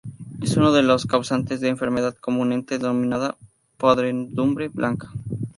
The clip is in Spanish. Es uno de los causantes de enfermedad comúnmente denominada podredumbre blanca.